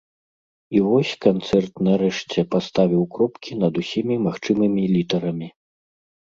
І вось, канцэрт нарэшце паставіў кропкі над усімі магчымымі літарамі.